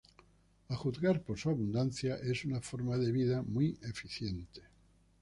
A juzgar por su abundancia, es una forma de vida muy eficiente.